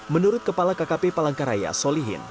menurut kepala kkp palangkaraya solihin